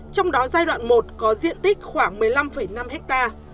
trong đó giai đoạn một có diện tích khoảng một mươi năm năm hectare